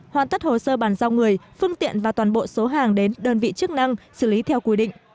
hoàn tất hồ sơ bàn giao người phương tiện và toàn bộ số hàng đến đơn vị chức năng xử lý theo quy định